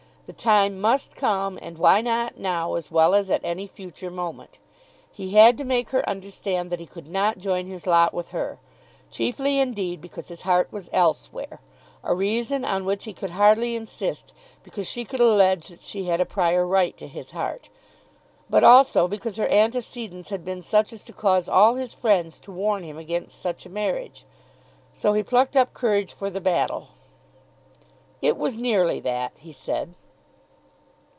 The time must come, and why not now as well as at any future moment? He had to make her understand that he could not join his lot with her, chiefly indeed because his heart was elsewhere, a reason on which he could hardly insist because she could allege that she had a prior right to his heart; but also because her antecedents had been such as to cause all his friends to warn him against such a marriage. So he plucked up courage for the battle. "It was nearly that," he said.